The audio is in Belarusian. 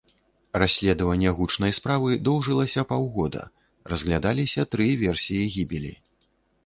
Расследванне гучнай справы доўжылася паўгода, разглядаліся тры версіі гібелі.